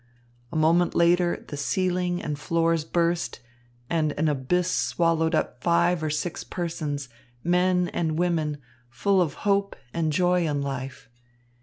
A moment later the ceiling and floors burst, and an abyss swallowed up five or six persons, men and women, full of hope and joy in life.